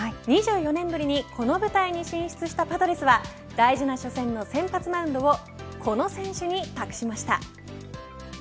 ２４年ぶりにこの舞台に進出したパドレスは大事な初戦の先発マウンドをこの選手に託しました。